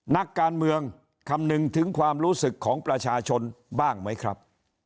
นักการเมืองคำนึงถึงความรู้สึกของประชาชนบ้างไหมครับ